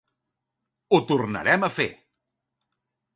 Ho tornarem a fer!